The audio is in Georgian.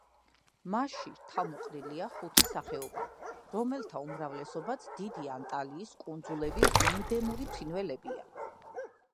მასში თავმოყრილია ხუთი სახეობა, რომელთა უმრავლესობაც დიდი ანტილის კუნძულების ენდემური ფრინველებია.